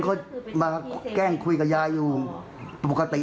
เขามาแกล้งคุยกับยายอยู่ปกติ